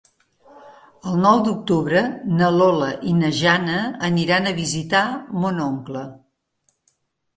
El nou d'octubre na Lola i na Jana aniran a visitar mon oncle.